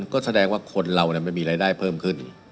ก็แสดงว่าคนเรามันมีรายได้เพิ่มขึ้น